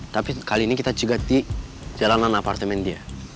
tapi kali ini kita juga di jalanan apartemen dia